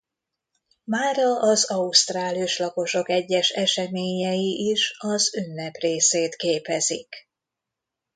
Mára az ausztrál őslakosok egyes eseményei is az ünnep részét képezik.